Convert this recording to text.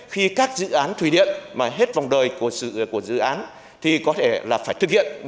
khi các dự án thủy điện mà hết vòng đời của dự án thì có thể là phải thực hiện